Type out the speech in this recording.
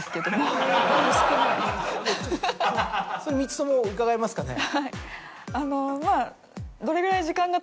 ３つとも伺えますかね？